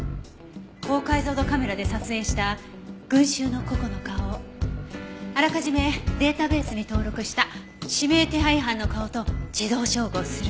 高解像度カメラで撮影した群衆の個々の顔をあらかじめデータベースに登録した指名手配犯の顔と自動照合する。